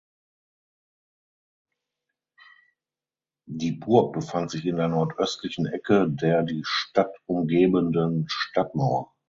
Die Burg befand sich in der nordöstlichen Ecke der die Stadt umgebenden Stadtmauer.